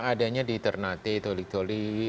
adanya di ternate tolik toli